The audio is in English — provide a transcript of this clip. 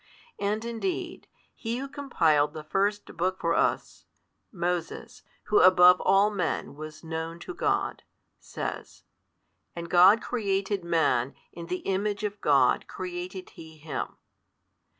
And indeed, he who compiled the first book for us (Moses, who above all men was known to God) says, And God created man, in the Image of God created He him.